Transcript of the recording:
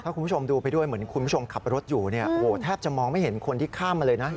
ถ้าคุณผู้ชมดูไปด้วยเหมือนคุณผู้ชมขับรถอยู่เนี่ยโอ้โหแทบจะมองไม่เห็นคนที่ข้ามมาเลยนะ